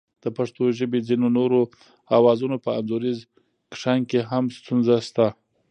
د پښتو ژبې ځینو نورو آوازونو په انځوریز کښنګ کې هم ستونزه شته